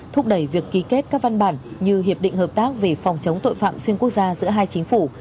thúc đẩy việc ký kết các văn bản như hiệp định hợp tác về phòng chống tội phạm xuyên quốc gia giữa hai chính phủ